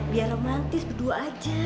biar romantis berdua aja